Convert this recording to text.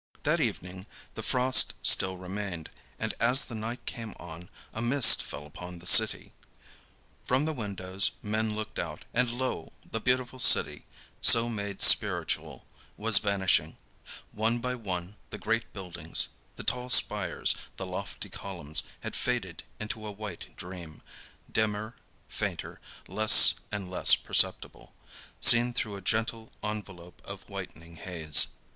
That evening the frost still remained, and as the night came on a mist fell upon the city. From the windows men looked out, and lo! the beautiful city so made spiritual was vanishing. One by one the great buildings, the tall spires, the lofty columns had faded into a white dream, dimmer, fainter, less and less perceptible, seen through a gentle envelope of whitening haze.